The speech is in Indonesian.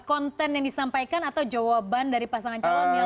konten yang disampaikan atau jawaban dari pasangan calon